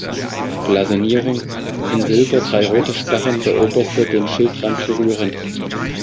Blasonierung: „In Silber drei rote Sparren, der oberste den Schildrand berührend.